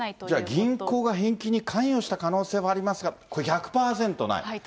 じゃあ、銀行が返金に関与した可能性はありますが、これは１００％ない。